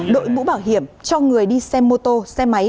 đội mũ bảo hiểm cho người đi xe mô tô xe máy